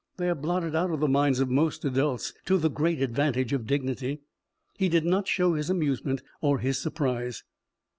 They are blotted out of the minds of most adults to the great advantage of dignity. He did not show his amusement or his surprise.